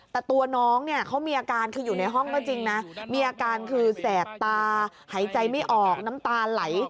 แต่ตัวน้องเนี่ยเขามีอาการคืออยู่ในห้องก็จริงนะมีอาการคือแสบตาหายใจไม่ออกน้ำตาไหล